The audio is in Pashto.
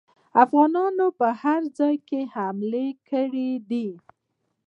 افغانانو په هر ځای کې حملې کړي دي.